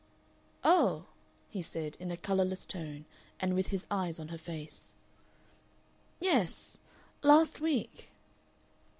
"Oh!" he said, in a colorless tone, and with his eyes on her face. "Yes. Last week."